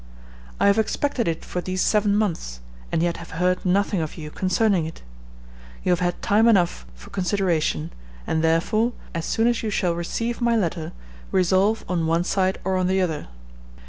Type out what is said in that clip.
I have expected it for these seven months, and yet have heard nothing of you concerning it. You have had time enough for consideration, and, therefore, as soon as you shall receive my letter, resolve on one side or on the other.